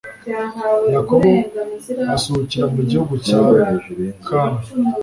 Yakobo asuhukira mu gihugu cya Kamu